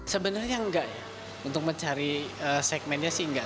sebenarnya enggak ya untuk mencari segmennya sih enggak